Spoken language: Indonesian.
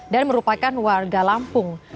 dan merupakan warga lampung